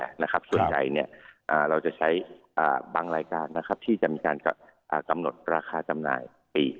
ส่วนใจเราจะใช้บางรายการที่จะมีการกำหนดราคาจำนายปี